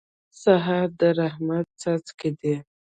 سهار د رحمت څاڅکي دي.